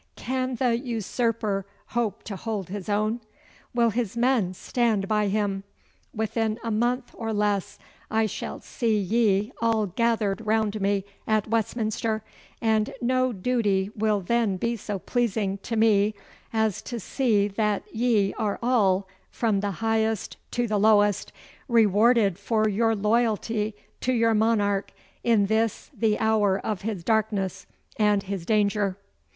Can the usurper hope to hold his own? Will his men stand by him? Within a month or less I shall see ye all gathered round me at Westminster, and no duty will then be so pleasing to me as to see that ye are all, from the highest to the lowest, rewarded for your loyalty to your monarch in this the hour of his darkness and his danger.